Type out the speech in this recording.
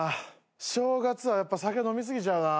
正月はやっぱ酒飲み過ぎちゃうな。